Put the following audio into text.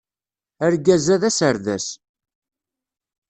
Argaz-a d aserdas.